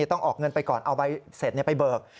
ต้องออกเงินไปก่อนเอาใบเสร็จไปเบิก